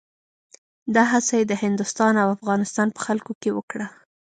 دا هڅه یې د هندوستان او افغانستان په خلکو کې وکړه.